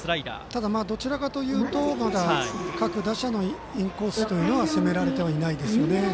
ただ、どちらかというと各打者のインコースというのは攻められてはいないですよね。